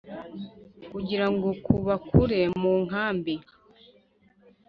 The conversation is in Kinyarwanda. kugira ngo kubakure mu nkambi,